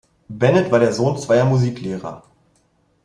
Bennett war der Sohn zweier Musiklehrer.